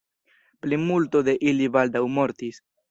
Plimulto de ili baldaŭ mortis.